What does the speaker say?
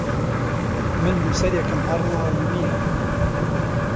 من نووسەرێکم هەر ناوم نییە